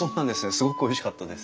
すごくおいしかったです。